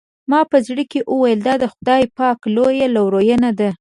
ما په زړه کې وویل دا د خدای پاک لویه لورېینه ده.